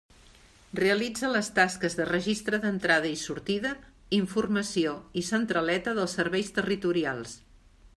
Realitza les tasques de registre d'entrada i sortida, informació i centraleta dels Serveis Territorials.